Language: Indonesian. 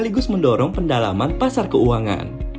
sekaligus mendorong pendalaman pasar keuangan